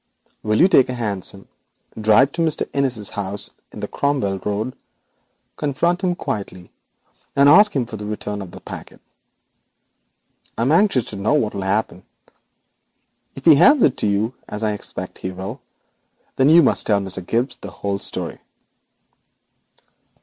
Will you take a hansom, drive to Mr. Innis's house on the Cromwell Road, confront him quietly, and ask for the return of the packet? I am anxious to know what will happen. If he hands it to you, as I expect he will, then you must tell Mr. Gibbes the whole story.'